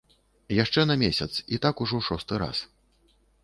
Яшчэ на месяц, і так ужо шосты раз.